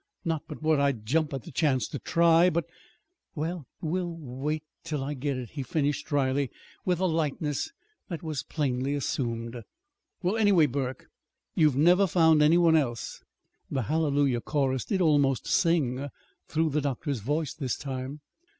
Not but what I'd jump at the chance to try, but Well, we'll wait till I get it," he finished dryly, with a lightness that was plainly assumed. "Well, anyway, Burke, you've never found any one else!" The Hallelujah Chorus did almost sing through the doctor's voice this time.